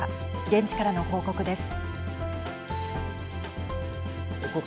現地からの報告です。